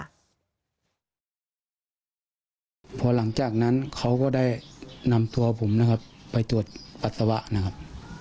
พอหลังจากนั้นเขาก็ได้นำตัวผมนะครับไปตรวจปัสสาวะนะครับ